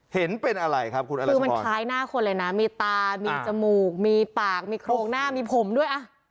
เห็นเป็นอะไรครับคุณอะไรคือมันคล้ายหน้าคนเลยนะมีตามีจมูกมีปากมีโครงหน้ามีผมด้วยอ่ะ